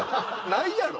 ないやろ。